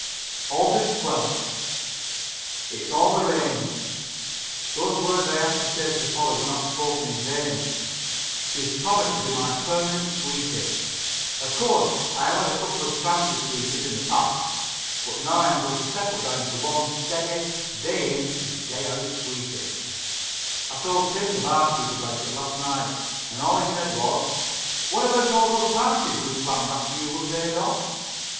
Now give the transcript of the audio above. Aug. 12th. It's all arranged. Those words I had to say to Polly were not spoken in vain. She has promised to be my permanent sweetie. Of course, I have had a number of transit sweeties in the past, but now I'm going to settle down to one steady, day in and day out sweetie. I told Tim, the barkeep, about it last night and all he said was: "What about all those parties we'd planned to have after we were paid off?"